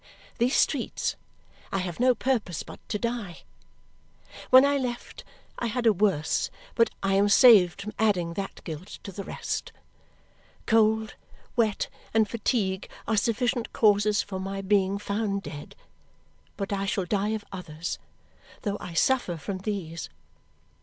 These streets! I have no purpose but to die. When I left, I had a worse, but I am saved from adding that guilt to the rest. Cold, wet, and fatigue are sufficient causes for my being found dead, but I shall die of others, though I suffer from these.